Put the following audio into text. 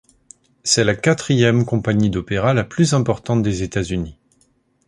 C'est la quatrième compagnie d'opéra la plus importante des États-Unis.